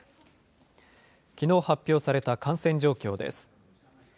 きのう発表された感染状況です。